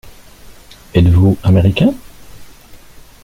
Êtes-vous Américain ?